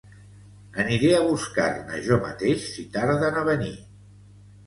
Aniré a buscar-ne jo mateix si tarden a venir.